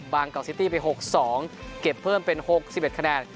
กอกซิตี้ไป๖๒เก็บเพิ่มเป็น๖๑คะแนน